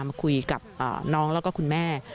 มาคุยกับน้องแล้วก็คุณแม่